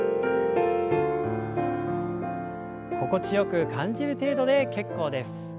心地よく感じる程度で結構です。